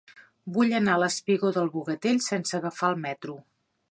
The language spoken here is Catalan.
Vull anar al espigó del Bogatell sense agafar el metro.